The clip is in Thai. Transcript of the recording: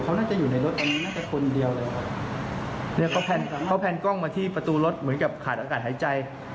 เขาน่าจะอยู่ในรถอันนี้น่าจะคนเดียวเลยครับเนี่ยเขาแพนเขาแนนกล้องมาที่ประตูรถเหมือนกับขาดอากาศหายใจ